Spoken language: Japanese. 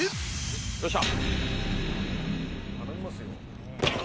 よっしゃ！